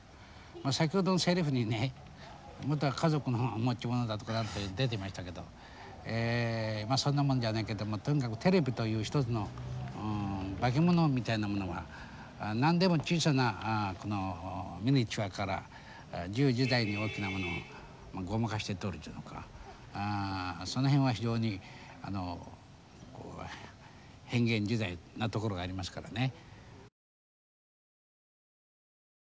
先ほど台詞にね「元は華族の持ち物」だとか出てましたけどまあそんなもんじゃないけどもとにかくテレビという一つの化け物みたいなものが何でも小さなこのミニチュアから自由自在に大きなものをごまかして撮るというかその辺は非常に変幻自在な所がありますからね。